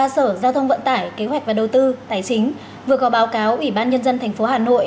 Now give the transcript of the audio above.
ba sở giao thông vận tải kế hoạch và đầu tư tài chính vừa có báo cáo ủy ban nhân dân thành phố hà nội